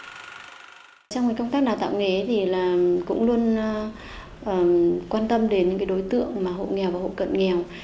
trong công tác đào tạo nghề thì cũng luôn quan tâm đến những đối tượng mà hộ nghèo và hộ cận nghèo